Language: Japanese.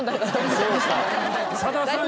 さださん